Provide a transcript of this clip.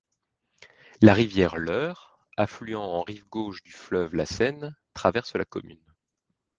La rivière l'Eure, affluent en rive gauche du fleuve la Seine traverse la commune.